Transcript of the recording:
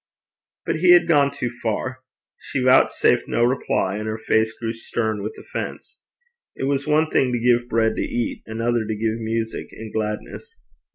But he had gone too far. She vouchsafed no reply, and her face grew stern with offence. It was one thing to give bread to eat, another to give music and gladness.